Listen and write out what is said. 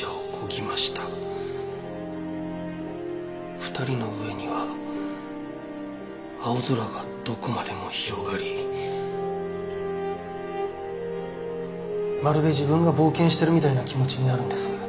「二人の上には青空がどこまでも広がり」まるで自分が冒険してるみたいな気持ちになるんです。